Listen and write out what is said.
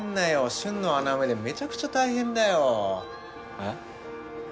瞬の穴埋めでめちゃくちゃ大変だよえっ？